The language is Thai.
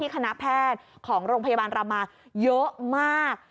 คณะแพทย์ของโรงพยาบาลรามาเยอะมาก